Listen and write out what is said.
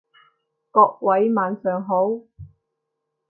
各位晚上好